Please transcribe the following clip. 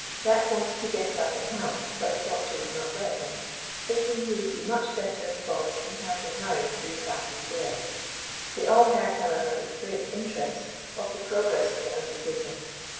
Jack wanted to get up and help, but the doctor would not let him, thinking he would be much better employed in helping Murray to look after Adair. They all heard, however, with great interest of the progress of the undertaking.